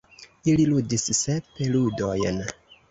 Ili ludis sep ludojn.